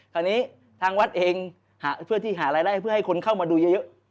คราวนี้ทางวัดเองเพื่อที่หารายได้เพื่อให้คนเข้ามาดูเยอะ